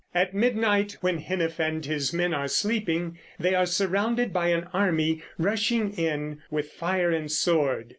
At midnight, when Hnæf and his men are sleeping, they are surrounded by an army rushing in with fire and sword.